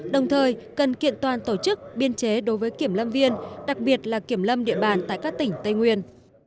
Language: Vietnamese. đồng thời cần kiện toàn tổ chức biên chế đối với kiểm lâm viên đặc biệt là kiểm lâm địa bàn tại các tỉnh tây nguyên